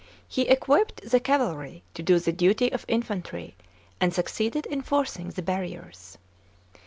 He equipped the cavalry to do the duty of infantry, and succeeded in forcing the harriers.